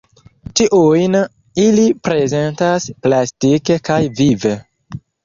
Tiujn ili prezentas plastike kaj vive.